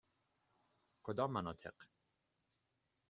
کدام مناطق؟